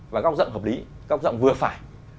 và góc rộng hợp lý góc rộng vừa phải